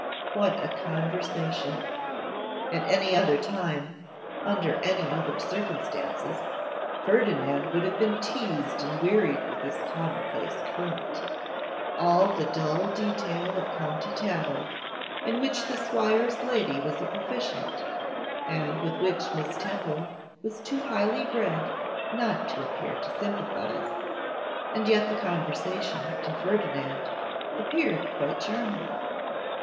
What a conversation! At any other time, under any other circumstances, Ferdinand would have been teased and wearied with its commonplace current: all the dull detail of county tattle, in which the squire's lady was a proficient, and with which Miss Temple was too highly bred not to appear to sympathise; and yet the conversation, to Ferdinand, appeared quite charming.